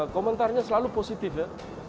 komentarnya selalu positif ya